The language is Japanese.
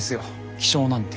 気象なんて。